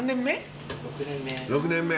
６年目。